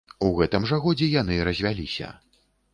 У гэтым жа годзе яны развяліся.